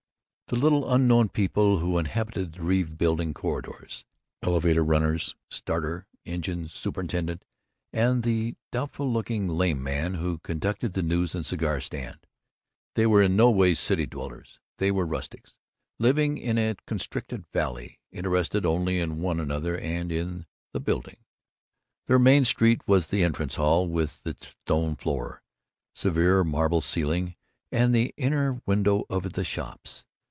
The little unknown people who inhabited the Reeves Building corridors elevator runners, starter, engineers, superintendent, and the doubtful looking lame man who conducted the news and cigar stand were in no way city dwellers. They were rustics, living in a constricted valley, interested only in one another and in The Building. Their Main Street was the entrance hall, with its stone floor, severe marble ceiling, and the inner windows of the shops.